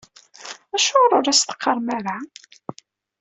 Acuɣer ur as-teqqarem ara?